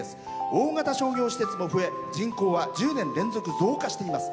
大型商業施設も増え人口は１０年連続増加しています。